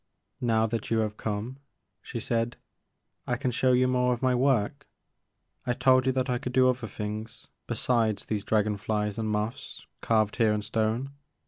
" Now that you have come," she said, I can show you more of my work. I told you that I could do other things besides these dragon flies and moths carved here in stone.